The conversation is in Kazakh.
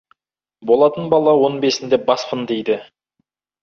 Болатын бала он бесінде «баспын» дейді.